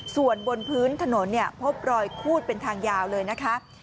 ส่วนบนพื้นถนนพบรอยคูดเป็นทางยาวเลยนะคะ